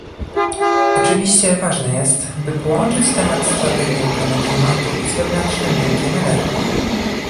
Oczywiście ważne jest, by połączyć temat strategii ochrony klimatu z wewnętrznym rynkiem energii